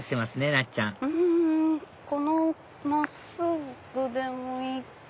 なっちゃんこの真っすぐでもいい。